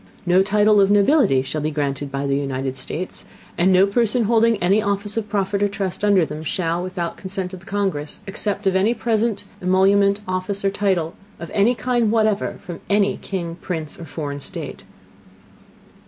No Title of Nobility shall be granted by the United States; and no Person holding any Office of Profit or Trust under them, shall, without the Consent of the Congress, accept of any present, Emolument, Office, or Title, of any kind whatever, from any King, Prince, or foreign State.